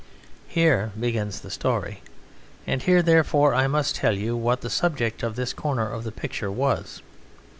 Here begins the story, and here, therefore, I must tell you what the subject of this corner of the picture was.